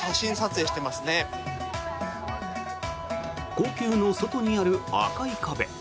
故宮の外にある赤い壁。